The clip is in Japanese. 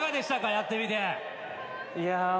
やってみて。